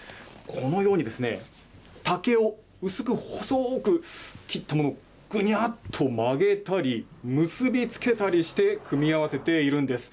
このように、竹を薄く細く切ったものを、ぐにゃっと曲げたり結び付けたりして組み合わせているんです。